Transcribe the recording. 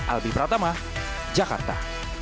albi pratama jakarta